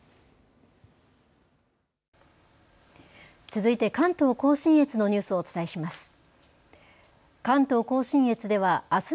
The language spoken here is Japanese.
続いて関東甲信越のニュースをお伝えします。